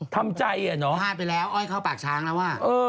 ทำใจอะเนาะหายไปแล้วอ้อยเข้าปากช้างแล้วอ่ะ